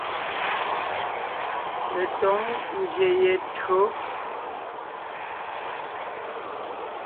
Letǒŋ ngyè ye tÿǒ.